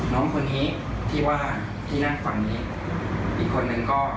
น้องคนนี้ที่ว่าที่นั่งฝั่งนี้อีกคนนึงก็